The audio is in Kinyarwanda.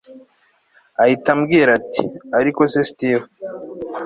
ahita ambwira ati ariko se steve